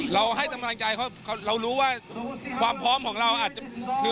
เราให้ธรรมไลน์จาครับเรารู้ว่าความพร้อมของเราอาจจะ